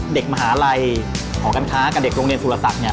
เด็กมหาลัยของการค้ากับเด็กโรงเรียนสุรษัตริย์เนี่ย